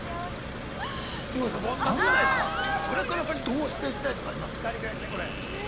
◆錦鯉さん、これから先どうしていきたいとかあります？